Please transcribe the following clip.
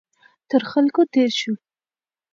تر خلکو تېر شو.